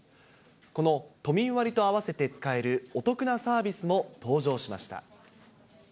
この都民割と合わせて使えるお得なサービスも登場しました。